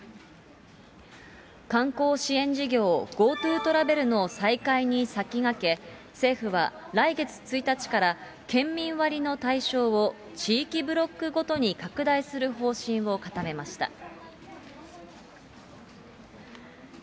観光支援事業、ＧｏＴｏトラベルの再開に先駆け、政府は来月１日から県民割の対象を地域ブロックごとに拡大する方針を固めました。